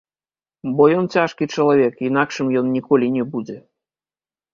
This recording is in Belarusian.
Бо ён цяжкі чалавек, інакшым ён ніколі не будзе.